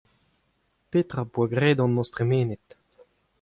Petra ho poa graet an noz tremenet ?